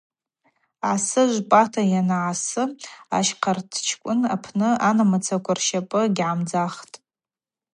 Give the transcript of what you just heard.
Асы жвпӏата йангӏасы Ащхъарктчкӏвын апны анамыцаква рщапӏы гьгӏамдзахтӏ.